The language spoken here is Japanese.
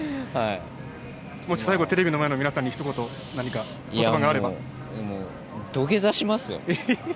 もし最後テレビの前の皆さんに土下座しますよ。